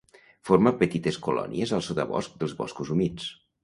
Forma petites colònies al sotabosc dels boscos humits.